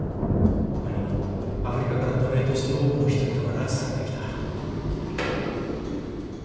他にもアフリカから奴隷として多くの人々が拉致されてきた。